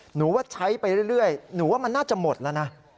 หนูว่าใช้ไปเรื่อยหนูว่ามันน่าจะหมดแล้วนะ